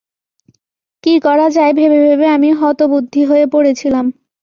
কি করা যায় ভেবে ভেবে আমি হতবুদ্ধি হয়ে পড়েছিলাম।